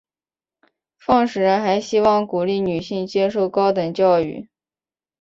创始人还希望鼓励女性接受高等教育。